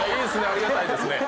ありがたいですね。